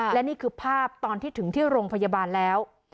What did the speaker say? และนี่คือภาพตอนที่ถึงที่โรงพยาบาลแล้ว